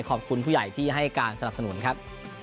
ขอบคุณผู้ใหญ่ที่ให้การสนับสนุนครับ